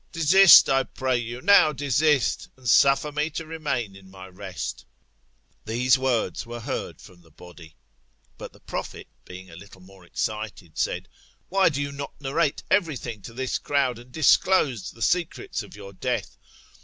Desist, I pray you, now desist, and suffer me to remain in my rest. These words were heard from the body. But the prophet, being a little more excited, said, Why do you do not narrate every thing to this crowd, and disclose the secrets of your death